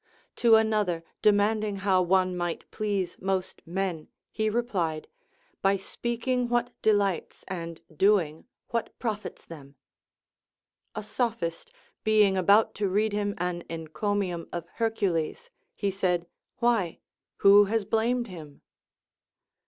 To another demanding how one might please most men, he replied, By speaking what delights, and doing what profits them. A Sophist being about to read him an encomium of Hercules, he said, Why, who has blamed him?